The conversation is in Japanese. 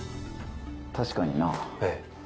確かになええ